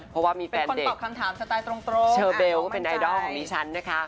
เพราะว่ามีแฟนเด็กเชอร์เบลก็เป็นไอดอลของดิฉันนะคะ